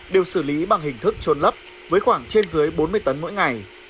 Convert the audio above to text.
đều xử lý bằng hình thức trôn lấp với khoảng trên dưới bốn mươi tấn mỗi ngày